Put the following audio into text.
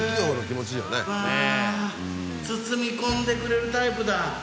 うわ包み込んでくれるタイプだ。